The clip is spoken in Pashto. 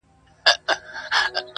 او خپل مفهوم ترې اخلي تل